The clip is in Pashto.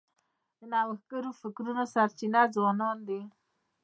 د نوښتګرو فکرونو سرچینه ځوانان دي.